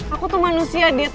aku tuh manusia dit